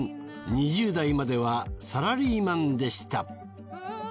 ２０代まではサラリーマンでした。